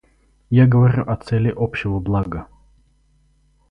Я говорю о цели общего блага.